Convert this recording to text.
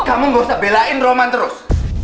kamu gak usah belain roman terus